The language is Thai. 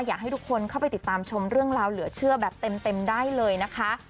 อยากให้ทุกคนเข้าไปติดตามชมเรื่องราวเหลือเชื่อแบบเต็มได้เลยนะคะ